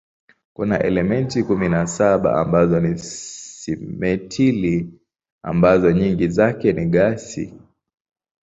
Kuna elementi kumi na saba ambazo ni simetili ambazo nyingi zake ni gesi.